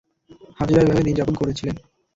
হাজেরা এভাবে দিনযাপন করছিলেন।